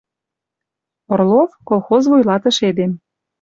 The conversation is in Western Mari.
Орлов, колхоз вуйлатыш эдем